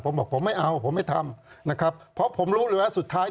ผมบอกผมไม่เอาผมไม่ทำนะครับเพราะผมรู้เลยว่าสุดท้าย